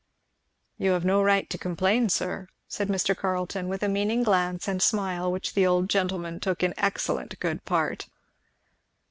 "You have no right to complain, sir," said Mr. Carleton, with a meaning glance and smile which the old gentleman took in excellent good part.